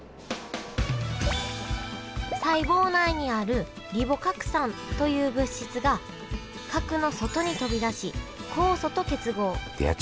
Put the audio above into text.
細胞内にあるリボ核酸という物質が核の外に飛び出し酵素と結合。